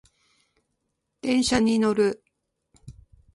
電車に乗る